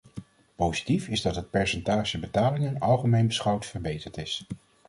Positief is dat het percentage betalingen algemeen beschouwd verbeterd is.